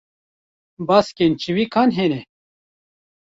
Baskên çivîkan hene.